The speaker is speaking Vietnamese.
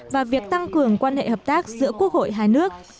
và việc tăng cường quan hệ hợp tác giữa quốc hội hai nước